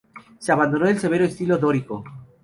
Se abandonó el severo estilo dórico.